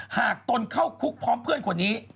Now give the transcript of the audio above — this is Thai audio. ตนเข้าคุกพร้อมเพื่อนคนนี้